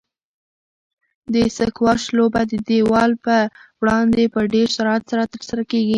د سکواش لوبه د دیوال په وړاندې په ډېر سرعت سره ترسره کیږي.